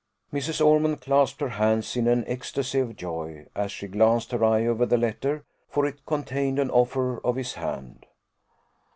Mrs. Ormond clasped her hands, in an ecstasy of joy, as she glanced her eye over the letter, for it contained an offer of his hand.